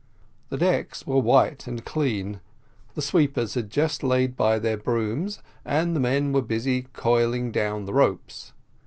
The decks were white and clean, the sweepers had just laid by their brooms, and the men were busy coiling down the ropes.